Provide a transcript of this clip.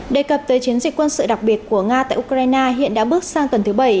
đề cập tới chiến dịch quân sự đặc biệt của nga tại ukraine hiện đã bước sang tuần thứ bảy